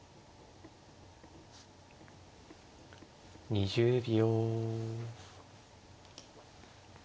２０秒。